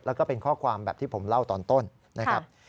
แล้วก็เป็นข้อความแบบที่ผมเล่าตอนต้นนะครับ